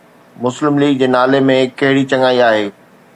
مسلم ليگ جي نالي ۾ ڪهڙي چڱائي آهي؟